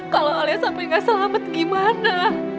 kalau alias sampai gak selamat gimana